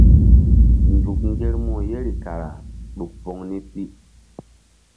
Nzuk ŋgermu yeri kara ɗuk poŋ ni pi.